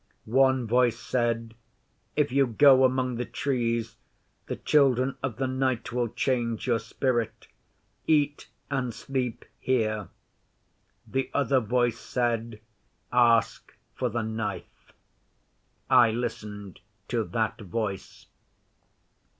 'One voice said, "If you go among the Trees, the Children of the Night will change your spirit. Eat and sleep here." The other voice said, "Ask for the Knife." I listened to that voice.